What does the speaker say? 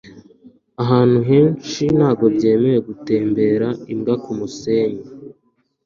Ahantu henshi ntabwo byemewe gutembera imbwa kumusenyi